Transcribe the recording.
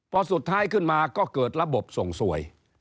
พอสุดท้ายขึ้นมาก็เกิดระบบส่งสวย